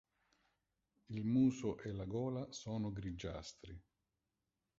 Il muso e la gola sono grigiastri.